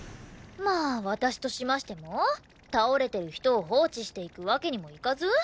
まあ私としましても倒れてる人を放置して行くわけにもいかず。